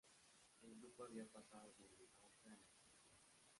El grupo había pasado del auge a la decepción.